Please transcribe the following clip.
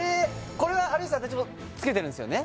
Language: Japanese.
これは有吉さん達もつけてるんですよね